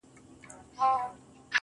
• د کندهار ماځيگره، ستا خبر نه راځي.